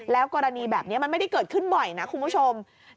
กรณีแบบนี้มันไม่ได้เกิดขึ้นบ่อยนะคุณผู้ชม